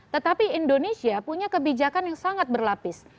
tetapi indonesia punya kebijakan yang sangat berlapis